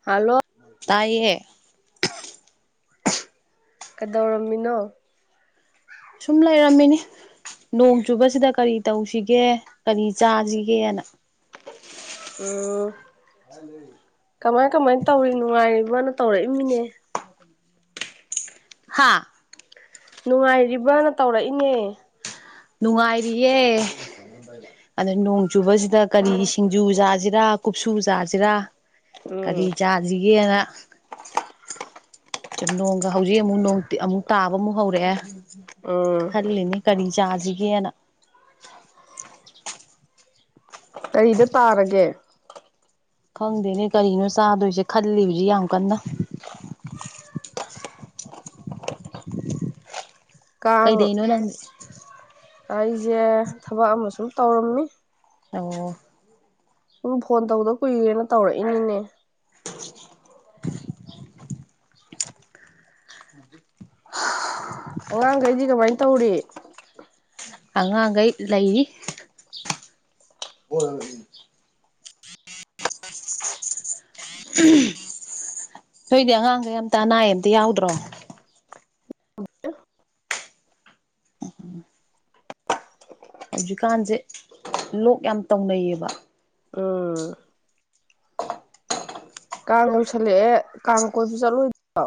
hello ꯇꯥꯏꯌꯦ ꯀꯗꯧꯔꯝꯃꯤꯅꯣ ꯁꯨꯝ ꯂꯩꯔꯝꯃꯤꯅꯤ ꯅꯣꯡ ꯆꯨꯕꯁꯤꯗ ꯀꯔꯤ ꯇꯧꯁꯤꯒꯦ ꯀꯔꯤ ꯆꯥꯖꯤꯒꯦꯅ ꯎꯝ ꯀꯝꯃꯥꯏ ꯀꯃꯥꯏ ꯇꯧꯔꯤ ꯅꯨꯡꯉꯥꯏꯔꯤ ꯕꯅ ꯇꯧꯔꯏꯃꯤꯅꯦ ꯍꯥꯥ ꯅꯨꯡꯉꯥꯏꯔꯤꯕ꯭ꯔꯅ ꯇꯧꯔꯏꯅꯦ ꯅꯨꯡꯉꯥꯏꯔꯤꯌꯦ ꯑꯗ ꯅꯣꯡ ꯆꯨꯕꯁꯤꯗ ꯀꯔꯤ ꯁꯤꯡꯖꯨ ꯆꯥꯖꯤꯔ ꯀꯨꯞꯁꯨ ꯆꯥꯖꯤꯔ ꯀꯔꯤ ꯎꯝ ꯆꯥꯖꯤꯒꯦꯅ ꯆꯨꯝ ꯅꯣꯡꯒ ꯍꯧꯖꯤꯛ ꯑꯃꯨꯛ ꯅꯣꯡ ꯇꯤ ꯑꯃꯨꯛ ꯇꯥꯕ ꯑꯃꯨꯛ ꯍꯧꯔꯛꯑꯦ ꯎꯝ ꯈꯜꯂꯤꯅꯤ ꯀꯔꯤ ꯆꯥꯖꯤꯒꯦꯅ ꯀꯔꯤꯗ ꯇꯥꯔꯒꯦ ꯈꯪꯗꯦꯅꯦ ꯀꯔꯤꯅꯣ ꯆꯥꯗꯣꯏꯖꯦ ꯈꯜꯂꯤ ꯍꯨꯖꯤꯛ ꯌꯥꯝ ꯀꯟꯅ ꯀꯩꯗꯩꯅꯣ ꯅꯪ ꯑ ꯑꯩꯖꯦ ꯊꯕꯛ ꯑꯃ ꯁꯨꯝ ꯇꯧꯔꯝꯃꯤ ꯑꯣ ꯎꯪ ꯐꯣꯟ ꯇꯧꯗ ꯀꯨꯏꯔꯦꯅ ꯇꯧꯔꯛꯏꯅꯤꯅꯦ [unintelligible] ꯇꯧꯔꯦ ꯑꯉꯥꯡꯒꯩ ꯂꯩꯔꯤ [unintelligible] [unintelligible] ꯅꯣꯏꯗꯤ ꯑꯉꯥꯡꯒꯩ ꯑꯝꯇ ꯑꯅꯥꯏ ꯑꯌꯦꯛ ꯑꯃꯇ ꯌꯥꯎꯗ꯭ꯔꯣ ꯍꯧꯖꯤꯛꯀꯥꯟꯖꯦ ꯂꯣꯛ ꯌꯥꯝ ꯇꯧꯅꯩꯌꯦꯕ ꯎꯝ ꯀꯥꯡ ꯂꯣꯏꯁꯜꯂꯛꯑꯦ ꯀꯥꯡ ꯀꯣꯏꯕ ꯆꯠꯂꯣꯏ [inaudible] ꯔꯣ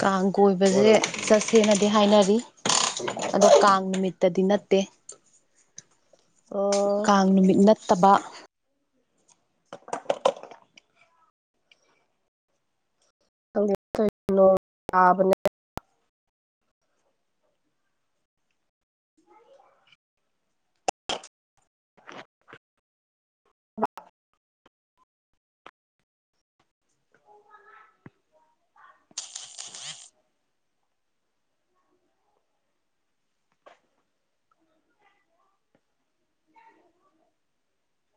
ꯀꯥꯡ ꯀꯣꯏꯕꯖꯦ ꯆꯠꯁꯦꯅꯗꯤ ꯍꯥꯏꯅꯔꯤ ꯑꯗꯣ ꯀꯥꯡ ꯅꯨꯃꯤꯠꯇꯗꯤ ꯅꯠꯇꯦ ꯑꯣ ꯀꯥꯡ ꯅꯨꯃꯤꯠ ꯅꯠꯇꯕ [unintelligible] [unintelligible] [unintelligible]